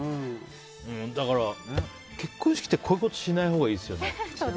だから結婚式ってこういうことしないほうがいいですよね。